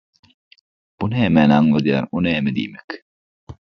Bu nämäni aňladýar?, Ol näme diýmek?